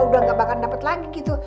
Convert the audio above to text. udah gak bakal dapet lagi gitu